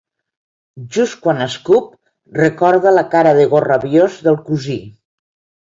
Just quan escup recorda la cara de gos rabiós del cosí.